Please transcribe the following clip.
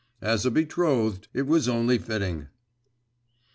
As a betrothed, it was only fitting.